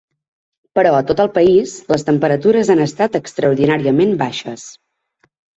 Però a tot el país les temperatures han estat extraordinàriament baixes.